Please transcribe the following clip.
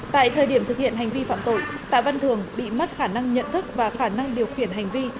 tại thời điểm thực hiện hành vi phạm tội tạ văn thường bị mất khả năng nhận thức và khả năng điều khiển hành vi